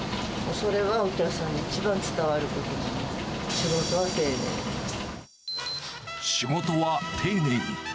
それはお客さんに一番伝わること仕事は丁寧に。